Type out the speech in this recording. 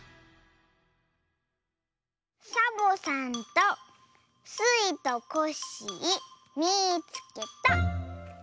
「サボさんとスイとコッシーみいつけた」。